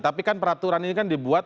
tapi kan peraturan ini kan dibuat